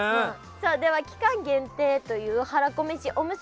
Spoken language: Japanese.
さあでは期間限定というはらこめしおむすび。